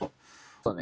そうだね。